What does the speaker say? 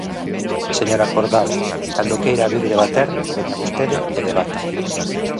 Señora Cordal, cando queira vir debater, veña vostede e debata.